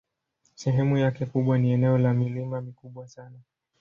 Sehemu yake kubwa ni eneo la milima mikubwa sana.